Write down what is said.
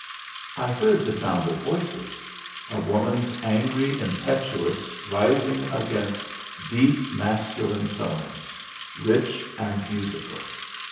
I heard the sound of voices a woman's, angry, impetuous, rising against deep masculine tones, rich and musical.